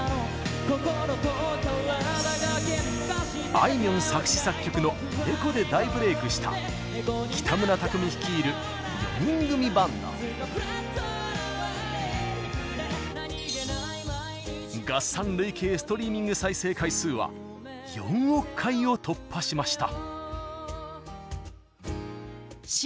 あいみょん作詞作曲の「猫」で大ブレイクした合算累計ストリーミング再生回数は４億回を突破しました。